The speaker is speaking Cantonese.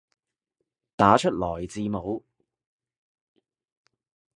打出來字母